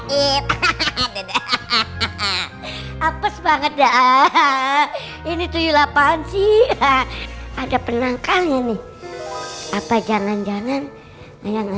hapus banget dah ini tuyul apaan sih ada penangkalnya nih apa jangan jangan yang